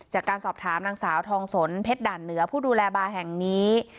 จากการสอบถามนางสาวทองสนเพชรด่านเหนือผู้ดูแลบาร์แห่งนี้